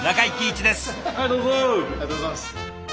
ありがとうございます。